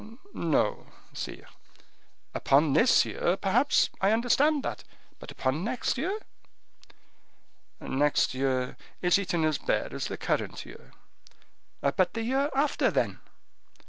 "No, sire." "Upon this year, perhaps, I understand that; but upon next year?" "Next year is eaten as bare as the current year." "But the year after, then?"